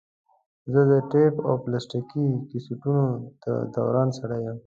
زه د ټیپ او پلاستیکي کسټونو د دوران سړی یم.